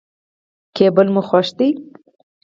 کېبل مو خوښ دی.